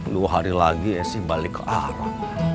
dua hari lagi esi balik ke arah